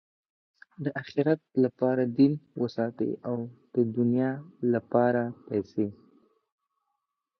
د آخرت له پاره دین وساتئ! او د دؤنیا له پاره پېسې.